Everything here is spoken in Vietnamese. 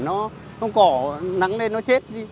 nó cỏ nắng lên nó chết